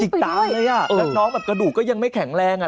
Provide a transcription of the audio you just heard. กิกตามเลยอ่ะน้องกระดูกยังไม่แข็งแรงอ่ะ